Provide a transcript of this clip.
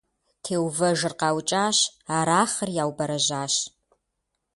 Теувэжыр къаукӀащ, Арахъыр яубэрэжьащ.